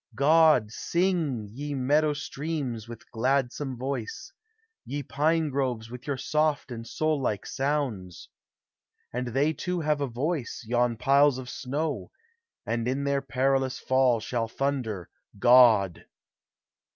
God! sing, ye meadow streams, with gladsome voice! Ye pine groves, with your soft and soul like sounds ! And they too have a voice, yon piles of snow, And in their perilous fall shall thunder, God!